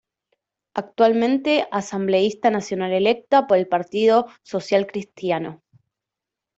Actualmente Asambleísta Nacional electa por el Partido Social Cristiano.